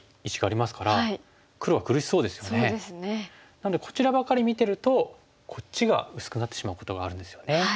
なのでこちらばかり見てるとこっちが薄くなってしまうことがあるんですよね。